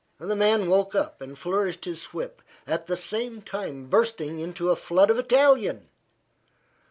The man woke up and flourished his whip, at the same time bursting into a flood of Italian.